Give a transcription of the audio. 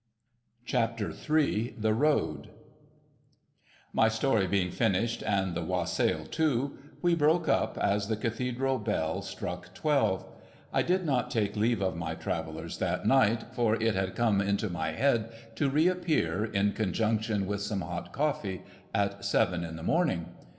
CHAPTER HI THE ROAD My story being finished, and the Wassail too, we broke up as the Cathedral bell struck Twelve. I did not take leave of my travellers that night ; for it had come into my head to reappear, in conjunction with some hot coffee, at seven in the morning.